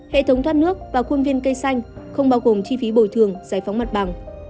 công viên cây xanh không bao gồm chi phí bồi thường giải phóng mặt bằng